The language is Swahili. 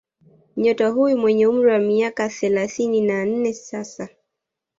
Nyota huyo mwenye umri wa miaka thelathini na nne sasa